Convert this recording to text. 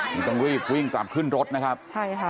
นี่ต้องรีบวิ่งกลับขึ้นรถนะครับใช่ค่ะ